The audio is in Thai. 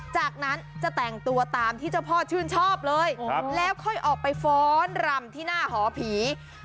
จากนั้นจะแต่งตัวตามที่เจ้าพ่อชื่นชอบเลยแล้วค่อยออกไปฟ้อนรำที่หน้าหอผี